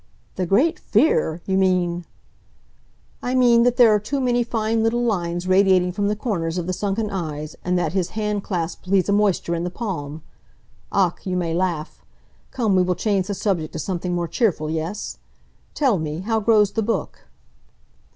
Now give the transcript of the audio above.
"The Great Fear! You mean! " "I mean that there are too many fine little lines radiating from the corners of the sunken eyes, and that his hand clasp leaves a moisture in the palm. Ach! you may laugh. Come, we will change the subject to something more cheerful, yes? Tell me, how grows the book?"